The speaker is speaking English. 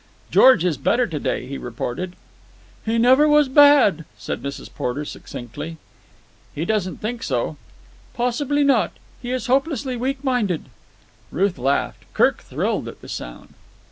"George is better to day," he reported. "He never was bad," said Mrs. Porter succinctly. "He doesn't think so." "Possibly not. He is hopelessly weak minded." Ruth laughed. Kirk thrilled at the sound.